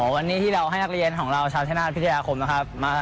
วันนี้ที่เราให้นักเรียนของเราชาวชนาธิพิทยาคมนะครับ